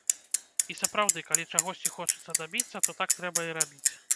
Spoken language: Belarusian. І сапраўды, калі чагосьці хочацца дабіцца, то так трэба і рабіць.